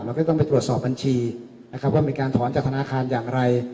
ก็ต้องไปตรวจสอบบัญชีนะครับว่ามีการถอนจากธนาคารอย่างไร